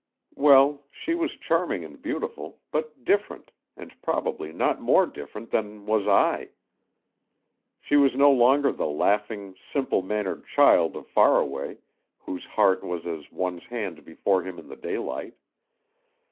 Well, she was charming and beautiful, but different, and probably not more different than was I. She was no longer the laughing, simple mannered child of Faraway, whose heart was as one's hand before him in the daylight.